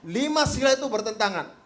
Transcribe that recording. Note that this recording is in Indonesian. lima sila itu bertentangan